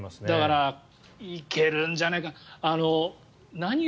だから行けるんじゃないかな。